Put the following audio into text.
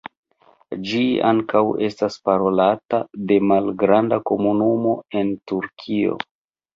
Ĝi ankaŭ estas parolata de malgranda komunumo en Turkio.